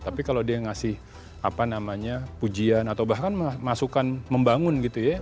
tapi kalau dia ngasih apa namanya pujian atau bahkan membangun gitu ya